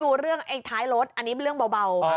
ดูเรื่องไอ้ท้ายรถอันนี้เป็นเรื่องเบา